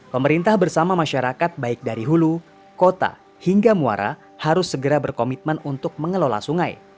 pemerintah bersama masyarakat baik dari hulu kota hingga muara harus segera berkomitmen untuk mengelola sungai